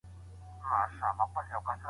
شافعي فقهاء وايي، نه طلاقيږي.